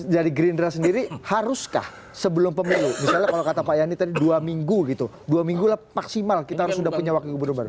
jadi kita sendiri bang taufik jadi gerindra sendiri haruskah sebelum pemilu misalnya kalau kata pak yani tadi dua minggu gitu dua minggu lah maksimal kita harus sudah punya waktu baru baru